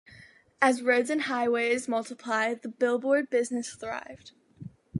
As roads and highways multiplied, the billboard business thrived.